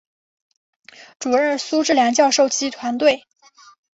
主任苏智良教授及其团队